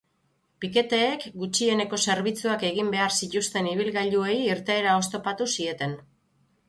Piketeek gutxieneko zerbitzuak egin behar zituzten ibilgailuei irteera oztopatu zieten.